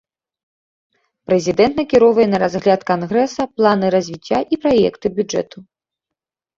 Прэзідэнт накіроўвае на разгляд кангрэса планы развіцця і праекты бюджэту.